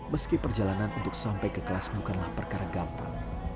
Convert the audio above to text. meski perjalanan untuk sampai ke kelas bukanlah perkara gampang